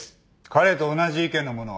彼と同じ意見の者は？